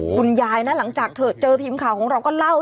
คุณยายนะหลังจากเถอะเจอทีมข่าวของเราก็เล่า